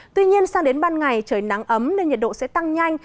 tuy nhiên sang đến ban ngày trời nắng ấm nên nhiệt độ sẽ tăng nhanh